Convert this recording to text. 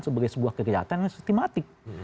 sebagai sebuah kejahatan yang sistematik